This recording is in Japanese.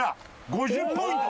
５０ポイント。